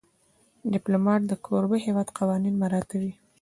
ډيپلومات د کوربه هېواد قوانین مراعاتوي.